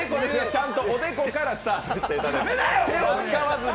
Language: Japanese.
ちゃんとおでこからスタートしていただいて、手を使わずに。